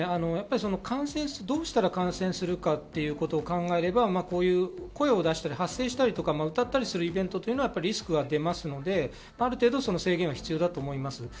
どうしたら感染するかということを考えれば、声を出したり発声したり歌ったりするイベントはリスクが出ますので、ある程度制限は必要だと思います。